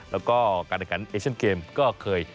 แล้วก็การอาการเอชั่นเกมก็เคย